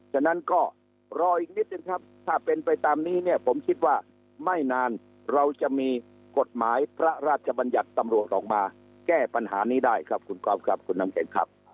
ฉะนั้นก็รออีกนิดนึงครับถ้าเป็นไปตามนี้เนี่ยผมคิดว่าไม่นานเราจะมีกฎหมายพระราชบัญญัติตำรวจออกมาแก้ปัญหานี้ได้ครับคุณก๊อฟครับคุณน้ำแข็งครับ